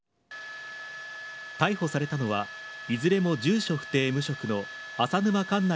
逮捕されたのはいずれも住所不定無職の浅沼かんな